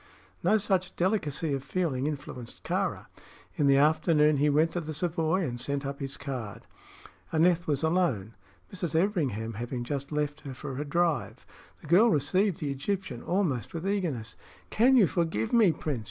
No such delicacy of feeling influenced Kāra. In the afternoon he went to the Savoy and sent up his card. Aneth was alone, Mrs. Everingham having just left her for a drive. The girl received the Egyptian almost with eagerness. "Can you forgive me, Prince?"